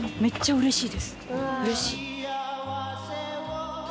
うれしい。